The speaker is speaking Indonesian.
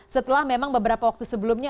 setelah memang beberapa waktu sebelumnya